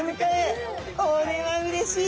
これはうれしいですね。